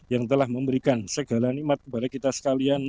yang telah memberikan segala nikmat kepada kita sekalian